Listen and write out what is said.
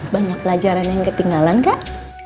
banyak pelajaran yang ketinggalan kak